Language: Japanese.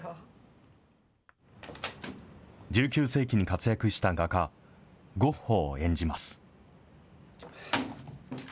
１９世紀に活躍した画家、ゴッホを演じます。